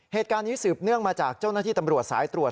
เหตุการณ์นี้สืบเนื่องมาจากเจ้าหน้าที่ตำรวจสายตรวจ